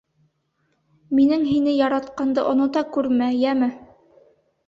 Минең һине яратҡанды онота күрмә, йәме?!